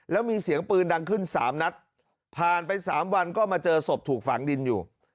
แล้วมีเสียงปืนดังขึ้น๓นัดผ่านไป๓วันก็มาเจอศพถูกฝังดินอยู่